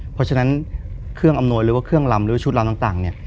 เพราะฉะนั้นเครื่องอำนวยหรือว่าเครื่องลำหรือชุดลำต่างเนี่ย